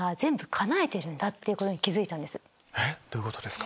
どういうことですか？